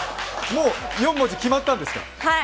もう四文字決まったんですか。